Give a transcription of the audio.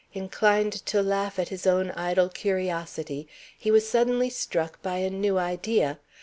Inclined to laugh at his own idle curiosity, he was suddenly struck by a new idea.